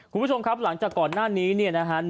คุณผู้ชมครับหลังจากก่อนหน้านี้เนี่ยนะฮะ